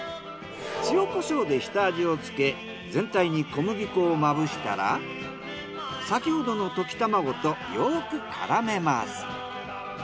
塩コショウで下味をつけ全体に小麦粉をまぶしたら先ほどの溶き卵とよく絡めます。